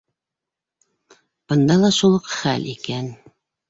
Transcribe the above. Бында ла шул уҡ хәл икән.